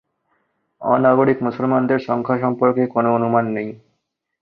অ-নাগরিক মুসলমানদের সংখ্যা সম্পর্কে কোনও অনুমান নেই।